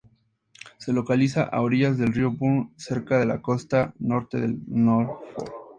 Se localiza a orillas del río Burn, cerca de la costa norte de Norfolk.